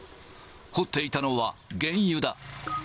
掘っていたのは原油だ。